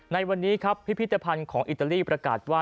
ในวันนี้ครับพิพิธภัณฑ์ของอิตาลีประกาศว่า